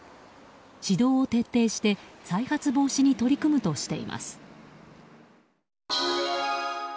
指導を徹底して再発防止に取り組むとしています。